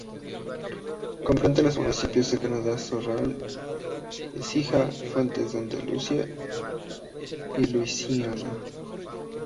Comprende los municipios de Cañada Rosal, Écija, Fuentes de Andalucía y La Luisiana.